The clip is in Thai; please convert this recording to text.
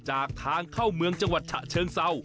จากทางเข้าเมืองจังหวัดฉะเชิงเศร้า